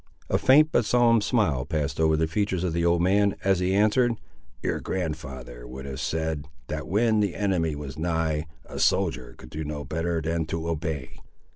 A faint but solemn smile passed over the features of the old man, as he answered— "Your grand'ther would have said, that when the enemy was nigh, a soldier could do no better than to obey."